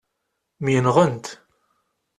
Myenɣent.